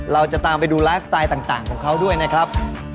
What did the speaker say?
เราจะตามไปดูไลฟ์สไตล์ต่างของเขาด้วยนะครับ